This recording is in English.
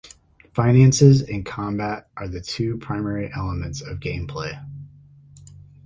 Finances and combat are the two primary elements of gameplay.